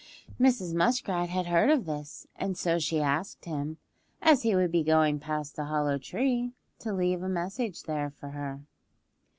Mrs. Muskrat had heard of this, and so she asked him, as he would be going past the hollow tree to leave a message there for her.